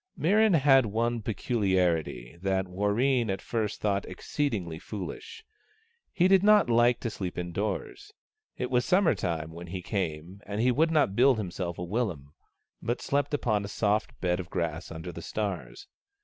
Mirran had one peculiarity that Warreen at first thought exceedingly foolish. He did not like to sleep indoors. It was summer time when he came, and he would not build himself a willum, but slept upon a soft bed of grass under the stars.